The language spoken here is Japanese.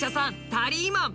タリーマン